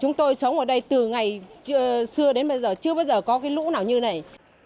chúng tôi sống ở đây từ ngày xưa đến bây giờ chưa bao giờ có cái lũ nào như này